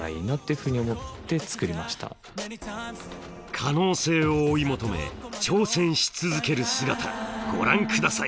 可能性を追い求め挑戦し続ける姿ご覧下さい。